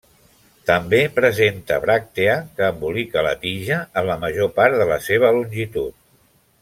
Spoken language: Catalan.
També presenta bràctea que embolica la tija en la major part de la seva longitud.